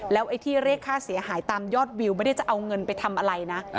ไอ้ที่เรียกค่าเสียหายตามยอดวิวไม่ได้จะเอาเงินไปทำอะไรนะ